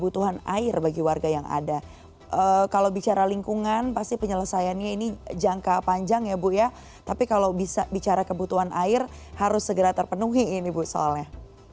tapi kalau bicara kebutuhan air harus segera terpenuhi ini bu soalnya